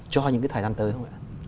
cho những thời gian tới không ạ